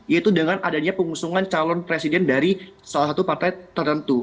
yaitu dengan adanya pengusungan calon presiden dari salah satu partai tertentu